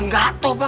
gak toh pak